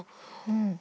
うん。